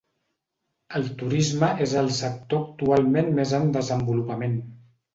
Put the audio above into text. El turisme és el sector actualment més en desenvolupament.